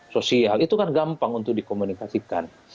sosial itu kan gampang untuk dikomunikasikan